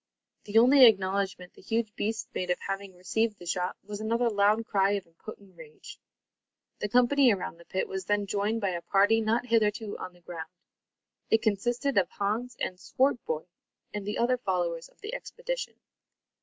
The only acknowledgment the huge beast made of having received the shot, was another loud cry of impotent rage. The company around the pit was then joined by a party not hitherto on the ground. It consisted of Hans with Swartboy and the other followers of the expedition.